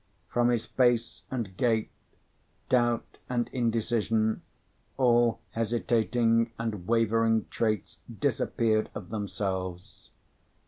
From his face and gait, doubt and indecision, all hesitating and wavering traits disappeared of themselves.